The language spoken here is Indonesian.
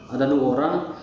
ada dua orang